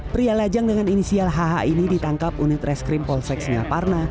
pria lajang dengan inisial hh ini ditangkap unit reskrim polsek singaparna